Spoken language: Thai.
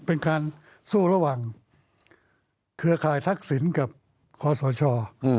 เป็นการสู้ระหว่างเครือข่ายทักศิลป์กับความสดชอบ